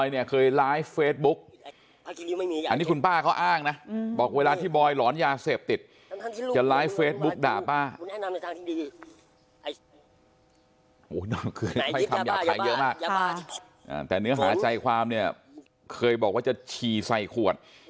หายบาปหายเยอะมากแต่เนื้อหาใจความเนี่ย